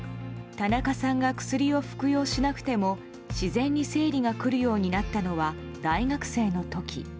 田中さんが薬を服用しなくても自然に生理が来るようになったのは大学生の時。